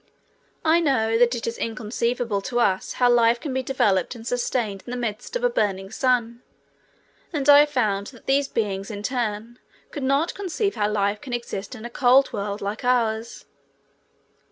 I know that it is inconceivable to us how life can be developed and sustained in the midst of a burning sun, and I found that these beings in turn could not conceive how life can exist in a cold world like ours.